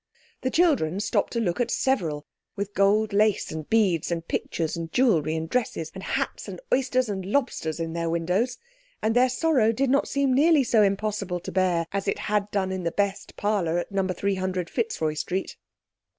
The children stopped to look at several with gold lace and beads and pictures and jewellery and dresses, and hats, and oysters and lobsters in their windows, and their sorrow did not seem nearly so impossible to bear as it had done in the best parlour at No. 300, Fitzroy Street.